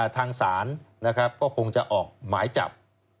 ทางศาลก็คงจะออกหมายจับ